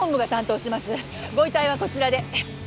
ご遺体はこちらで。